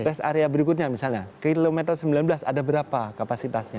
rest area berikutnya misalnya kilometer sembilan belas ada berapa kapasitasnya